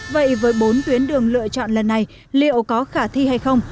vậy với bốn tuyến đường lựa chọn lần này liệu có khả thi hay không